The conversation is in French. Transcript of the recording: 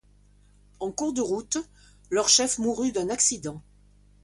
En cours de route, leur chef mourut d'un accident.